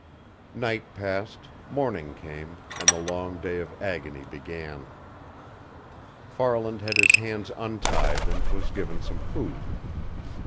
Night passed, morning came, and the long day of agony began. Farland had his hands untied and was given some food.